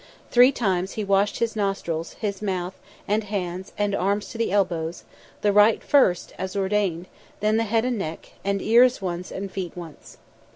Three times he washed his nostrils, his mouth and hands and arms to the elbow; the right first, as ordained, then the head and neck, and ears once and feet once.